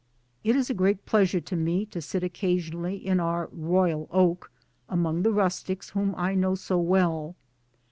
It is a great pleasure to me to sit occasionally in our " Royal Oak " among 1 the rustics whom I know so well.